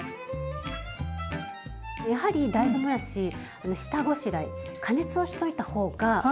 やはり大豆もやし下ごしらえ加熱をしといた方がおいしいんですね。